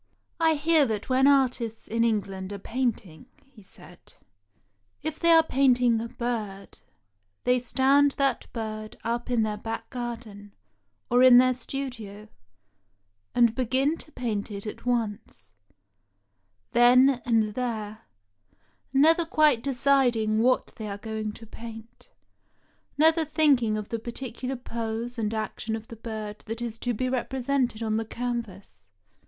" I hear that when artists in England are painting," he said, "if they are painting a bird, they stand that bird up in their back garden, or in their studio, and begin to paint it at once, then and there, never quite deciding what they are going to paint, never thinking of the par ticular pose and action of the bird that is to be repre sented on the canvas.